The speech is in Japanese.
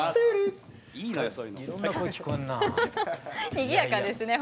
にぎやかですね